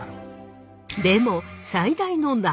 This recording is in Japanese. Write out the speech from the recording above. でも最大の謎が。